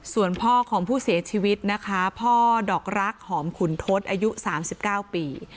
ส่วนพ่อของผู้เสียชีวิตนะคะพ่อดอกรักหอมขุนทศอายุ๓๙ปี